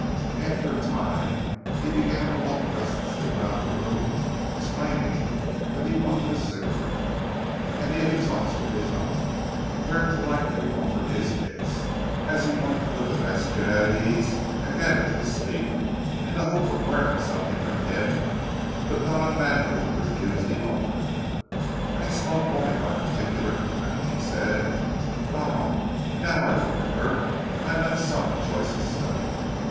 After a time he began to walk restlessly about the room exclaiming that he wanted a cigarette, and he had exhausted his own. Herrick politely offered his case, as he wanted to put the Mexican at his ease and get him to speak, in the hope of learning something from him, but Don Manuel refused the offer. "I smoke only my own particular kind," he said, "ah! now I remember. I left some in Joyce's study.